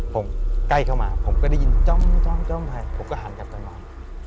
ผมใกล้เข้ามาผมก็ได้ยินจ้อมจ้อมจ้อมพลายผมก็หันกับตอนนั้น